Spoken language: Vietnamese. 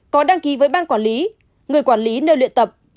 có đăng ký với ban quản lý người quản lý nơi luyện tập